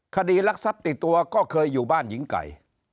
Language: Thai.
คดีลักษณะตดตัวก็เคยอยู่บ้านหญิงไก่